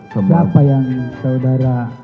siapa yang saudara